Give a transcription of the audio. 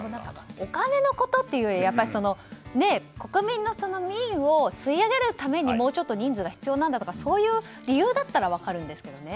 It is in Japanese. でも、お金のことというより国民の民意を吸い上げるためにもうちょっと人数が必要だとかそういう理由だったら分かるんですけどね。